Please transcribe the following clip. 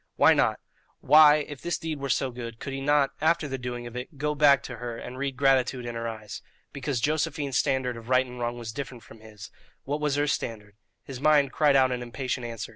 Why not? Why, if this deed were so good, could he not, after the doing of it, go back to her and read gratitude in her eyes? Because Josephine's standard of right and wrong was different from his. What was her standard? His mind cried out an impatient answer.